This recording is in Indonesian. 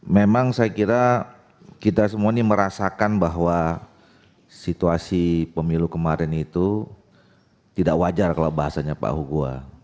memang saya kira kita semua ini merasakan bahwa situasi pemilu kemarin itu tidak wajar kalau bahasanya pak hugo